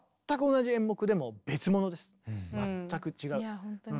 いや本当に。